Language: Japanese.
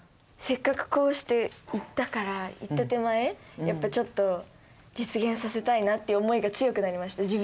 せっかくこうして言ったから言った手前やっぱちょっと実現させたいなって思いが強くなりました。